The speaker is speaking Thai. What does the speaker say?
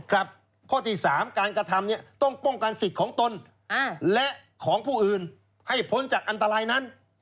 ข้อที่๓การกระทำต้องป้องกันสิทธิ์ของตนและของผู้อื่นให้พ้นจากอันตรายนั้น